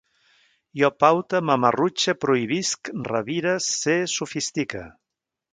Jo paute, mamarrutxe, prohibisc, revire, sé, sofistique